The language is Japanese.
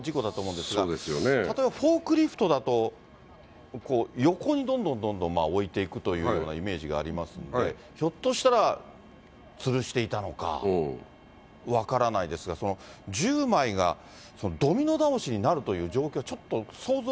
例えばフォークリフトだと、横にどんどんどんどん置いていくというようなイメージがありますんで、ひょっとしたら、つるしていたのか、分からないですが、１０枚がドミノ倒しになるという状況、ちょっと想像。